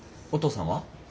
お父さんは？